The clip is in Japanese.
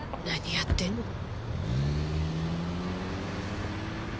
何やってんの？